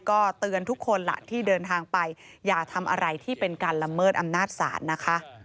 ก็เตือนทุกคนล่ะที่เดินทางไปอย่าทำอะไรที่เป็นการละเมิดอำนาจศาลนะคะ